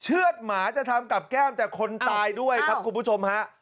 เชือดหมาจะทำกับแก้มแต่คนตายด้วยครับคุณผู้ชมฮะ